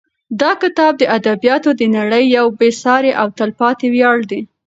دا کتاب د ادبیاتو د نړۍ یو بې سارې او تلپاتې ویاړ دی.